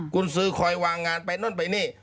คุณซื้อคอยวางงานไปนู่นไปนี่